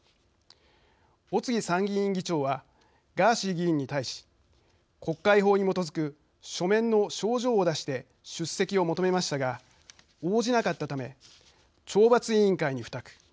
尾辻参議院議長はガーシー議員に対し国会法に基づく書面の招状を出して出席を求めましたが応じなかったため懲罰委員会に付託。